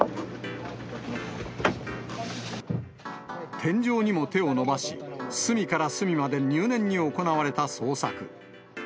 天井にも手を伸ばし、隅から隅まで入念に行われた捜索。